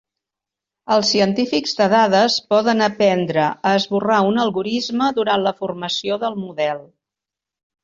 Els científics de dades poden aprendre a esborrar un algorisme durant la formació del model.